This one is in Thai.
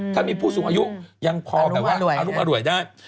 ถ้ามีผู้สูงอายุยังพอแบบว่าอรุมอร่วยได้